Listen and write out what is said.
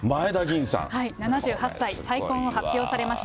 ７８歳、再婚を発表されました。